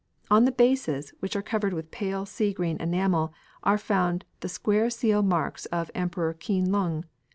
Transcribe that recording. On the bases, which are covered with pale sea green enamel, are found the square seal marks of the Emperor Keen lung.